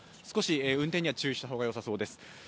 少し運転には注意した方がよさそうです。